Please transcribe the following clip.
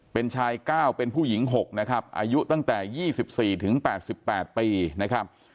เป็นชาย๙เป็นผู้หญิง๖นะครับอายุตั้งแต่๒๔๘๘ปีนะครับ